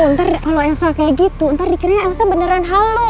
ntar kalau elsa kayak gitu ntar dikirain elsa beneran halo